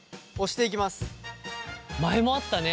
前もあったね。